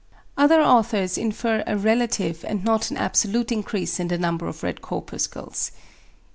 Other authors infer a relative and not an absolute increase in the number of red corpuscles.